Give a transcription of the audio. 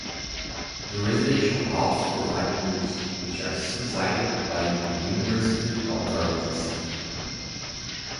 The residential halls provide meals, which are subsidised by the university authorities.